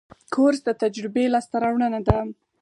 کورس د تجربې لاسته راوړنه ده.